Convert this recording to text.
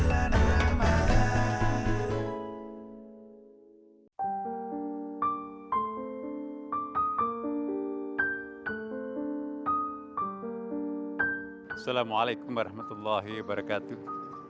assalamualaikum warahmatullahi wabarakatuh